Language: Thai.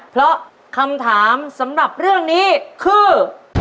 เพราะคำถามสำหรับเรื่องนี้คือ